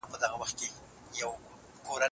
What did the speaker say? سياسي ژوند بې له اړيکو نه جوړېږي.